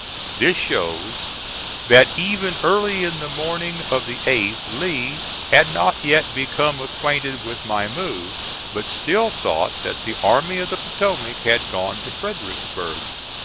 This shows that even early in the morning of the 8th Lee had not yet become acquainted with my move, but still thought that the Army of the Potomac had gone to Fredericksburg.